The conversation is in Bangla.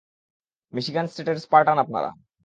মিশিগান স্টেটের স্পার্টান আপনারা!